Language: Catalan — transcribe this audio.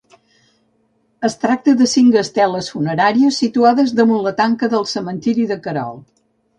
Es tracta de cinc esteles funeràries situades damunt la tanca del cementiri de Querol.